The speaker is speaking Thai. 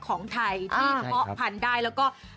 โอ้โฮ